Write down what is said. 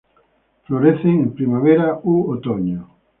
Florecen en primavera u otoño.